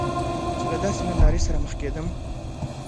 چې له داسې نندارې سره مخ کیدم.